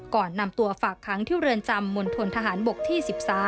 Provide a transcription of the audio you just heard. ก่อนนำตัวฝากค้างที่เรือนจำมณฑนทหารบกที่๑๓